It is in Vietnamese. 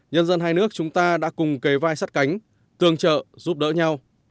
nhân dân hai nước chúng ta đã cùng kề vai sắt cánh tương trợ giúp đỡ nhau